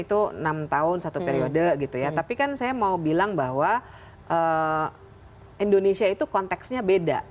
itu enam tahun satu periode gitu ya tapi kan saya mau bilang bahwa indonesia itu konteksnya beda